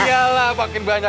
ya iyalah makin banyak